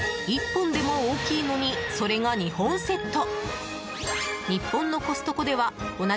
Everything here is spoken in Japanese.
１本でも大きいのにそれが２本セット。